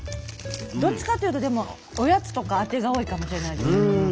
どっちかっていうとでもおやつとかアテが多いかもしれないですね。